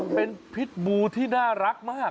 เป็นพิษบูที่น่ารักมาก